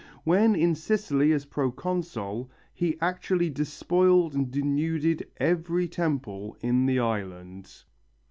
When in Sicily as proconsul, he actually despoiled and denuded every temple in the island.